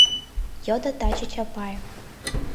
— йодо таче Чапаев.